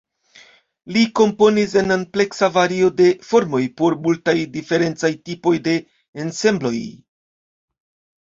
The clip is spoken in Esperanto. Li komponis en ampleksa vario de formoj por multaj diferencaj tipoj de ensembloj.